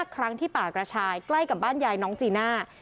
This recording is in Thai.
ครั้งที่ป่ากระชายใกล้กับบ้านยายน้องจีน่า